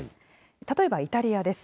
例えばイタリアです。